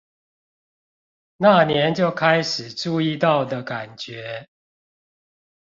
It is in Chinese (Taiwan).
那年就開始注意到的感覺